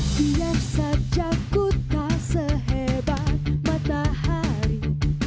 siap saja ku tak sehebat matahari